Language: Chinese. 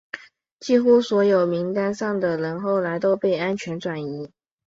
几乎所有名单上的人后来都被安全转移。